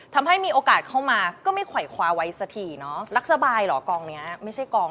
ทำให้มีโอกาสเข้ามาก็เต็มไปดีนะ